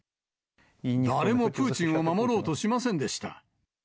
誰もプーチンを守ろうとしませんでした。